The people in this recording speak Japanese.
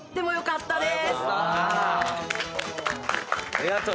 ありがとう。